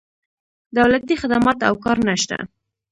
دولتي خدمات او کار نه شته.